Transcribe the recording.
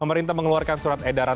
pemerintah mengeluarkan surat edaran